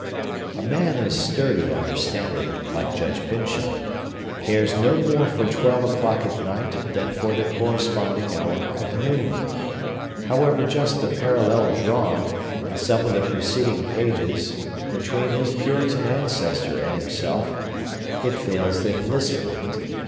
A man of sturdy understanding, like Judge Pyncheon, cares no more for twelve o'clock at night than for the corresponding hour of noon. However just the parallel drawn, in some of the preceding pages, between his Puritan ancestor and himself, it fails in this point.